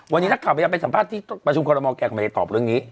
วันนี้นักข่าวพยายามไปสัมภาษณ์ที่ประชุมคอลโมแกก็ไม่ได้ตอบเรื่องนี้